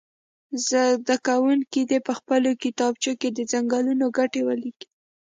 زده کوونکي دې په خپلو کتابچو کې د څنګلونو ګټې ولیکي.